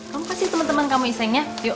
kamu kasih temen temen kamu iseng ya yuk